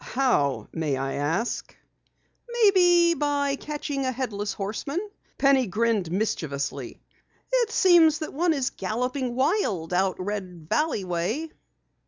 "How may I ask?" "Maybe by catching a Headless Horseman," Penny grinned mischievously. "It seems that one is galloping wild out Red Valley way."